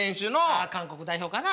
ああ韓国代表かな？